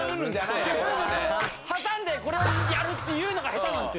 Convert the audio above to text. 挟んでこれをやるっていうのが下手なんですよ。